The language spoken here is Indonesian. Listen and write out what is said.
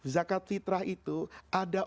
zakat fitrah itu ada